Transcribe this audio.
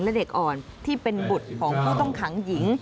และเด็กอ่อนที่เป็นบุตรของผู้ต้องขังหญิง